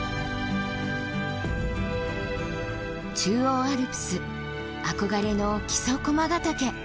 中央アルプス憧れの木曽駒ヶ岳。